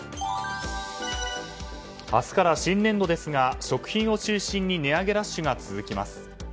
明日から新年度ですが食品を中心に値上げラッシュが続きます。